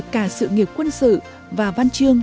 cả sự nghiệp quân sự và văn chương